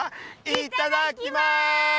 いただきます！